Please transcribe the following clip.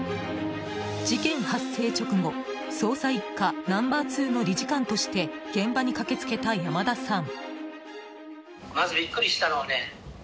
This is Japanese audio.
事件発生直後捜査１課ナンバー２の理事官として現場に駆けつけた山田さん。